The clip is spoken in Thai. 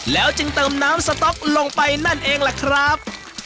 แล้วจึงเติมน้ำสต๊อกลงไปนั่นเองล่ะครับ